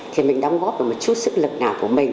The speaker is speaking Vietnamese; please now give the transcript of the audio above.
thì mình đóng góp được một chút sức lực nào của mình